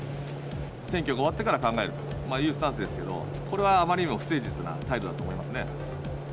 選挙が終わってから考えるというスタンスですけれども、これはあまりにも不誠実な態度だと思いますね。